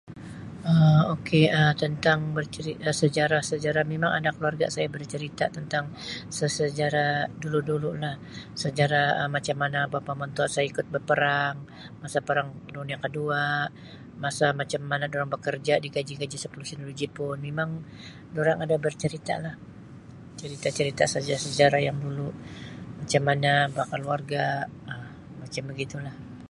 Ok tentang bercerita sejarah-sejarah mimang ada keluarga saya bercerita tentang sesejarah dulu-dulu lah sejarah macam mana bapa mentua saya ikut beperang masa perang dunia kedua masa-masa dirang bekerja digaji sepuluh sen oleh Jipun memang dorang ada berceritalah cerita sejarah-sejarah yang dulu-dulu macam mana bekeluarga macam begitu lah.